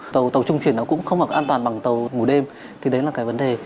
tàu trung chuyển cũng không an toàn bằng tàu ngủ đêm thì đấy là cái vấn đề